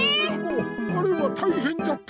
あれはたいへんじゃった！